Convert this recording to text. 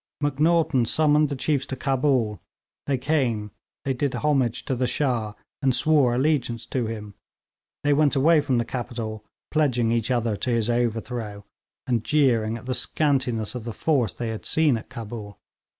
Macnaghten summoned the chiefs to Cabul. They came, they did homage to the Shah and swore allegiance to him; they went away from the capital pledging each other to his overthrow, and jeering at the scantiness of the force they had seen at Cabul.